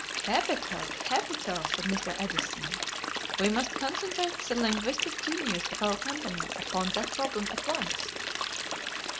"Capital! Capital!" said Mr. Edison. "We must concentrate the linguistic genius of our company upon that problem at once."